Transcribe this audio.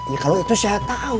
ya kalau itu saya tahu